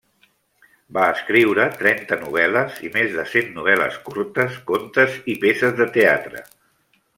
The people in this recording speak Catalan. Va escriure trenta novel·les i més de cent novel·les curtes, contes i peces de teatre.